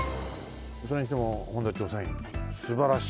それにしても本田ちょうさいんすばらしい。